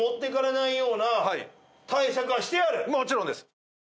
もちろんです！